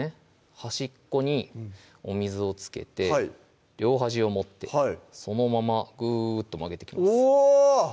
はい端っこにお水をつけて両端を持ってこのままグーッと曲げてきますおーっ！